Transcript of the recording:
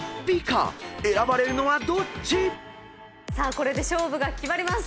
これで勝負が決まります。